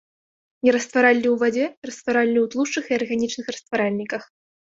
Нерастваральны ў вадзе, растваральны ў тлушчах і арганічных растваральніках.